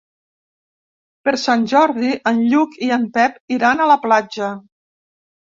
Per Sant Jordi en Lluc i en Pep iran a la platja.